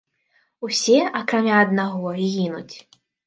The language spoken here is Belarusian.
Усе, акрамя аднаго, гінуць.